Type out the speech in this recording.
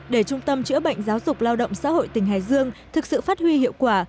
để trung tâm chữa bệnh giáo dục lao động xã hội tỉnh hải dương thực sự phát huy hiệu quả